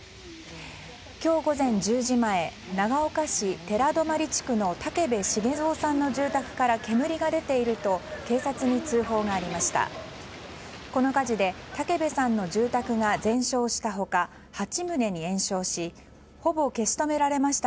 今日午前１９時前長岡市寺泊地区の武部重蔵さんの住宅から煙が出ていると警察に通報がありました。